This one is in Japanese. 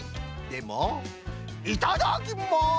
でもいただきます！